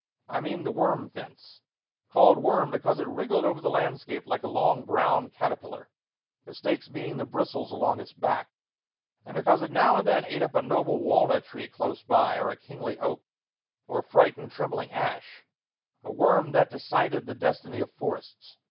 I mean the worm fence called worm because it wriggled over the landscape like a long brown caterpillar, the stakes being the bristles along its back, and because it now and then ate up a noble walnut tree close by, or a kingly oak, or frightened, trembling ash a worm that decided the destiny of forests.